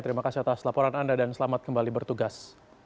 terima kasih atas laporan anda dan selamat kembali bertugas